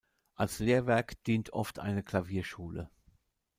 Als Lehrwerk dient oft eine Klavierschule.